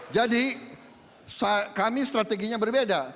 jadi kami strateginya berbeda